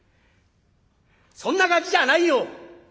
そんなガキじゃないよ。